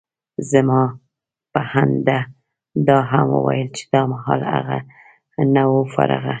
زما په اند، ده دا هم وویل چي دا مهال هغه، نه وي فارغه.